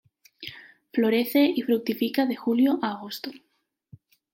Florece y fructifica de Julio a Agosto.